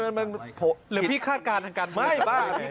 อย่างผิดหรือขาดการณ์ทางการปฏิเสธ